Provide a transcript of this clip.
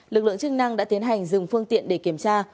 lực lượng chức năng đã tiến hành dừng phương tiện để kiểm tra